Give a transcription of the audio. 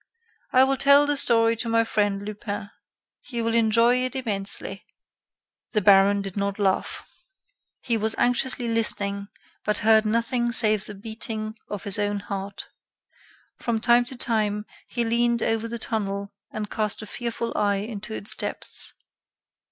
I will tell the story to my friend Lupin. He will enjoy it immensely." The baron did not laugh. He was anxiously listening, but heard nothing save the beating of his own heart. From time to time, he leaned over the tunnel and cast a fearful eye into its depths.